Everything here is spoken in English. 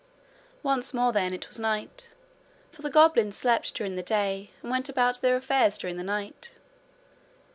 Once more, then, it was night; for the goblins slept during the day and went about their affairs during the night.